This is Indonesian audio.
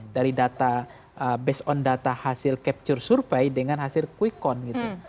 dari data based on data hasil capture survei dengan hasil quick count gitu